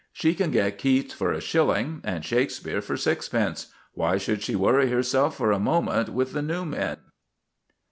She can get Keats for a shilling, and Shakespeare for sixpence. Why should she worry herself for a moment with the new men?